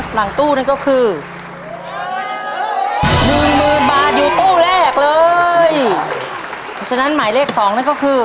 หนึ่งหมื่นบาทอยู่ตู้แรกเลยดังนั้นหมายเลขสองนั้นก็คือ